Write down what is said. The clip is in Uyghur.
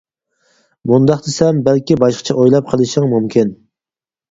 مۇنداق دېسەم، بەلكى باشقىچە ئويلاپ قېلىشىڭ مۇمكىن.